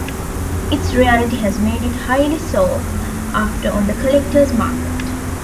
Its rarity has made it highly sought after on the collectors market.